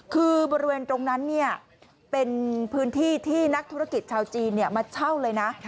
คือบริเวณตรงนั้นเป็นพื้นที่ที่นักธุรกิจชาวจีนมาเช่าเลยนะ